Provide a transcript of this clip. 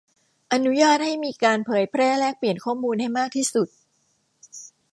อนุญาตให้มีการเผยแพร่แลกเปลี่ยนข้อมูลให้มากที่สุด